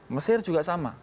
mesir juga sama